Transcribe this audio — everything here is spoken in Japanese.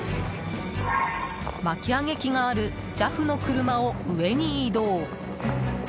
巻き上げ機があるＪＡＦの車を上に移動。